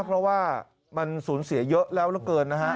เพราะว่ามันสูญเสียเยอะแล้วเหลือเกินนะฮะ